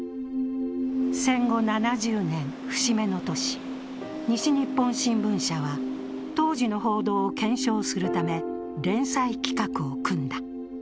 戦後７０年、節目の年、西日本新聞社は当時の報道を検証するため連載企画を組んだ。